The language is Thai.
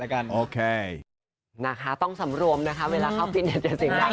นะคะต้องสำรวมนะคะเวลาเข้าปิดอยากจะเสียงดังมาก